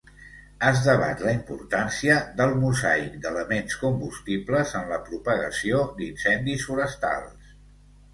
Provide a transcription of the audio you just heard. Es debat la importància del mosaic d'elements combustibles en la propagació d'incendis forestals.